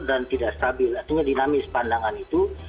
dan tidak stabil artinya dinamis pandangan itu